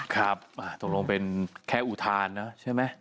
ครับตกลงเป็นแค่อุทานนะใช่ไหม